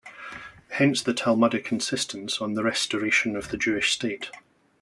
Hence the Talmudic insistence on the restoration of the Jewish state.